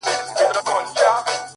• خو لستوڼي مو تل ډک وي له مارانو ,